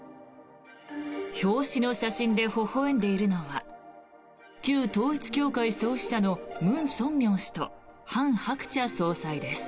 表紙の写真でほほ笑んでいるのは旧統一教会創始者のムン・ソンミョン氏とハン・ハクチャ総裁です。